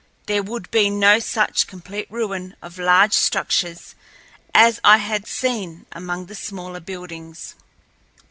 There would be no such complete ruin of large structures as I had seen among the smaller buildings.